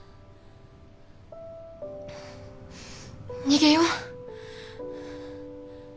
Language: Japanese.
逃げよう。